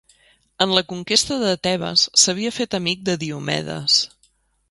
En la conquesta de Tebes s'havia fet amic de Diomedes.